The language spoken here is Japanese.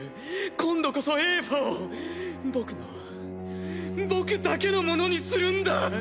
今度こそエーファを僕の僕だけのものにするんだ！